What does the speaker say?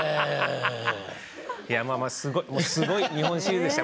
まあまあすごい日本シリーズでしたよ